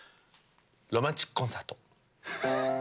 「ロマンチックコンサート」。